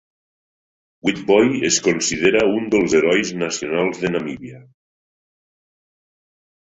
Witboi es considera un dels herois nacionals de Namíbia.